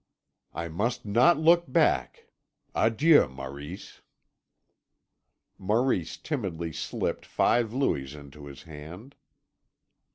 "I must not look back. Adieu, Maurice." Maurice timidly slipped five louis into his hand.